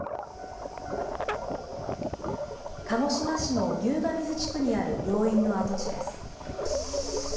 鹿児島市の竜ヶ水地区にある病院の跡地です。